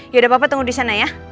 yaudah papa tunggu disana ya